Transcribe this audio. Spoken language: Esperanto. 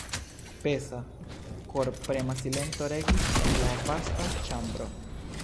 Pesa, korprema silento regis en la vasta ĉambro.